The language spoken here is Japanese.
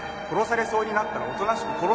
殺されそうになったらおとなしく